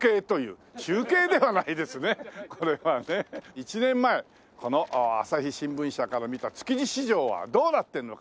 １年前この朝日新聞社から見た築地市場はどうなってるのか？